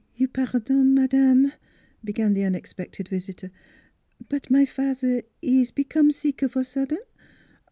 " You pardon, madame" began the unexpected visitor, " but my fat'er he ees become sick, of a sudden.